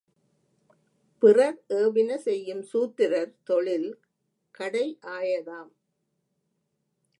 பிறர் ஏவின செய்யும் சூத்திரர் தொழில் கடையாயதாம்.